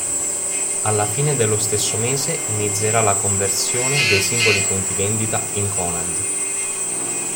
Alla fine dello stesso mese inizierà la conversione dei singoli punti vendita in Conad.